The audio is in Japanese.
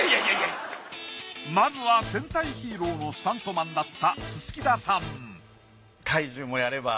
まずは戦隊ヒーローのスタントマンだった薄田さん